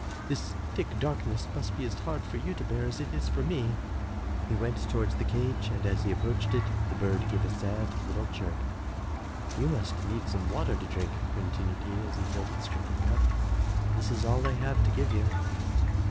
This thick darkness must be as hard for you to bear as it is for me.'' He went towards the cage and as he approached it the bird gave a sad Uttle chirp. "You must need some water to drink," continued he as he filled its drinking cup. "This is all I have to give you."